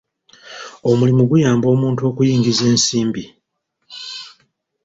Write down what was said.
Omulimu guyamba omuntu okuyingiza ensimbi.